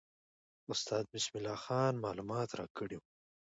استاد بسم الله خان معلومات راکړي وو.